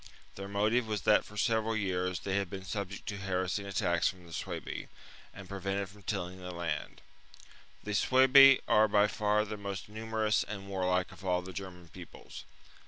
^ Their motive was that for several years they had been subject to harassing attacks from the Suebi, and prevented from tilling the land. Manners The Sucbi are by far the most numerous and ofthe"sueW. warlike of all the German peoples.